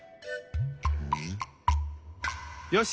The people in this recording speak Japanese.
よし！